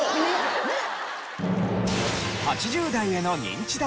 ねっ！